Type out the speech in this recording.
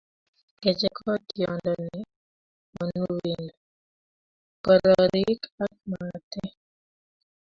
Kechee ko tiondo ne nekonuu bindo, kororik ak makatee.